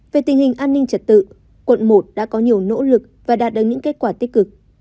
về tình hình an ninh trật tự quận một đã có nhiều nỗ lực và đạt được những kết quả tích cực